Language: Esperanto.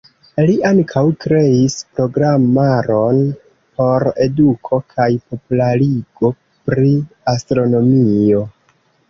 Li ankaŭ kreis programaron por eduko kaj popularigo pri astronomio.